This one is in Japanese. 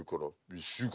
１週間？